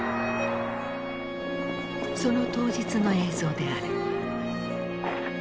その当日の映像である。